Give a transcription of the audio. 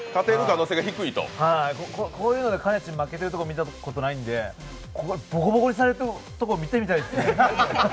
こういうのでかねち負けてるとこ見たことないんで、ボコボコにされるところ見てみたいですね。